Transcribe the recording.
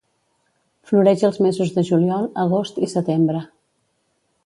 Floreix els mesos de juliol, agost i setembre.